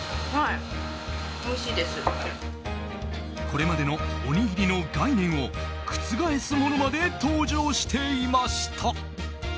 これまでのおにぎりの概念を覆すものまで登場していました。